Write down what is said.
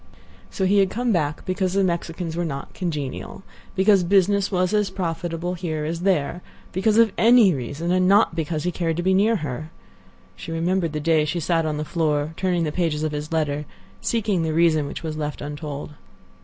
So he had come back because the Mexicans were not congenial; because business was as profitable here as there; because of any reason, and not because he cared to be near her. She remembered the day she sat on the floor, turning the pages of his letter, seeking the reason which was left untold.